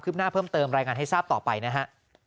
หน้าเพิ่มเติมรายงานให้ทราบต่อไปนะฮะ